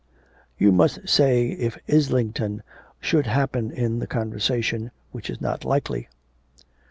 you must say if Islington should happen in the conversation, which is not likely.